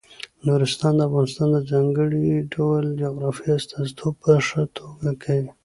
نورستان د افغانستان د ځانګړي ډول جغرافیې استازیتوب په ښه توګه کوي.